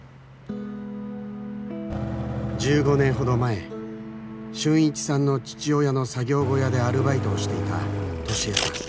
１５年ほど前春一さんの父親の作業小屋でアルバイトをしていた登志枝さん。